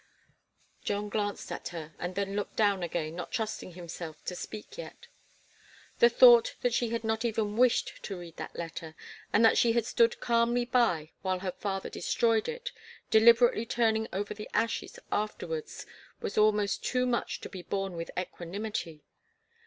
John glanced at her and then looked down again, not trusting himself to speak yet. The thought that she had not even wished to read that letter, and that she had stood calmly by while her father destroyed it, deliberately turning over the ashes afterwards, was almost too much to be borne with equanimity.